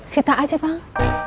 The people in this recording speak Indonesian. sita aja bang